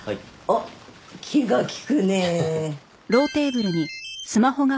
おっ気が利くねえ。